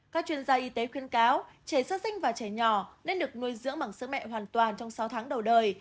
các chuyên gia y tế khuyên cáo trẻ sơ sinh và trẻ nhỏ nên được nuôi dưỡng bằng sức mẹ hoàn toàn trong sáu tháng đầu đời